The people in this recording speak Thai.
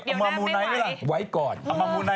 เอามาเม้าไขด์ไหมล่ะ